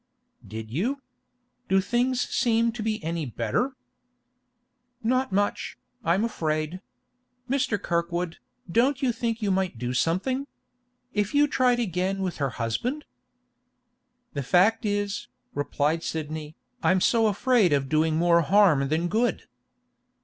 'Did you? Do things seem to be any better?' 'Not much, I'm afraid. Mr. Kirkwood, don't you think you might do something? If you tried again with her husband?' 'The fact is,' replied Sidney, 'I'm so afraid of doing more harm than good.